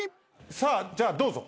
さあじゃあどうぞ。